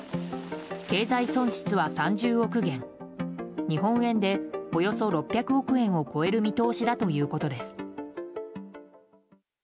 経済損失は３０億元日本円でおよそ６００億円を超える見通しだということです。